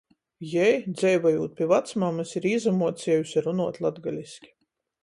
Jei, dzeivojūt pi vacmamys, ir īsamuocejuse runuot latgaliski.